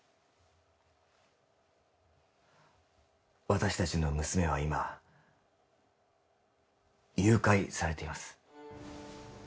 私達の娘は今誘拐されています